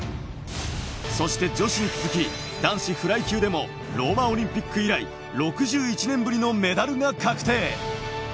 そして女子に続き男子フライ級でもローマオリンピック以来６１年ぶりのメダルが確定。